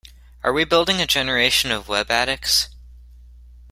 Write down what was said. Are we building a generation of web addicts?